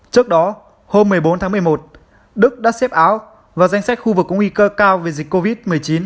trước đó hôm một mươi bốn tháng một mươi một đức đã xếp áo vào danh sách khu vực có nguy cơ cao về dịch covid một mươi chín